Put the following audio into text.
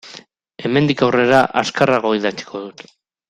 Hemendik aurrera azkarrago idatziko dut.